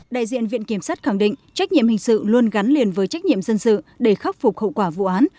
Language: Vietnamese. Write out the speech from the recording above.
đại diện viện kiểm sát khẳng định trách nhiệm hình sự luôn gắn liền với trách nhiệm dân sự để khắc phục hậu quả vụ án